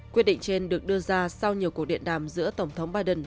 quyết định trên được đưa ra sau nhiều cuộc điện đàm giữa tổng thống biden